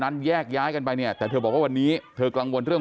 นั้นหยากย้ายกันไปเนี่ยแต่บอกว่าวันนี้เธอกลังวนเรื่อง